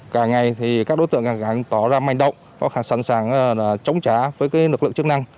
cả ngày các đối tượng càng càng tỏ ra manh động sẵn sàng chống trả với lực lượng chức năng